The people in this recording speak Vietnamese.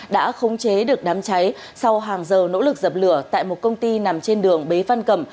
đã khống chế được đám cháy sau hàng giờ nỗ lực dập lửa tại một công ty nằm trên đường bế văn cẩm